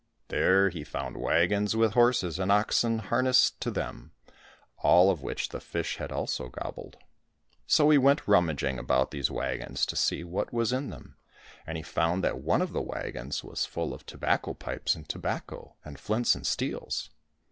There he found wagons with horses and oxen harnessed to them, all of which the fish had also gobbled. So he went rummaging about these wagons to see what was in them, and he found that one of the wagons was full of tobacco pipes and tobacco, and flints and steels.